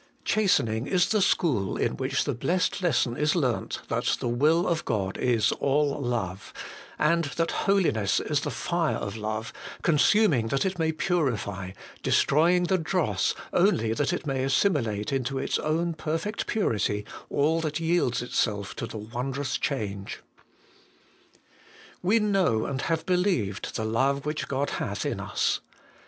Chastening is the school in which the blessed lesson is learnt that the will of God is all Love, and that Holiness is the fire of Love, consuming that it may purify, destroying the dross only that it may assimilate into its own perfect purity all that yields itself to the wondrous change. ' We know and have believed the love which God hath in us.